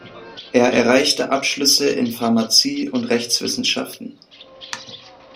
Er erreichte Abschlüsse in Pharmazie und Rechtswissenschaften.